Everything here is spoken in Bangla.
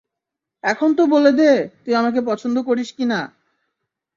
এখন তো বলে দে, তুই আমাকে পছন্দ করিস কিনা?